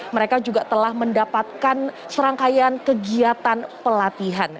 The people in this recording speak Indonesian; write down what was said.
mereka juga telah mendapatkan serangkaian kegiatan pelatihan